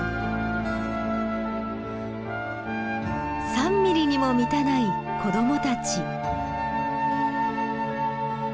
３ミリにも満たない子供たち。